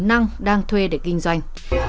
năng đang thuê để kinh doanh